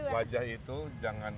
wajah itu jangan